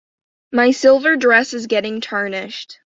My silver dress is getting tarnished.